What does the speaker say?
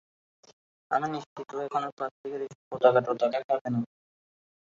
আমি নিশ্চিত ও এখন আর প্লাস্টিকের এইসব পতাকা-টতাকা খাবে না।